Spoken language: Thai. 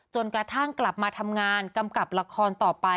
จนกระทั่งกลับมาทำงานกำกับละครต่อไป